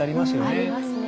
はいありますね。